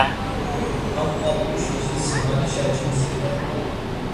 Ham ǩat̆uşi cinsi manişa cindziren.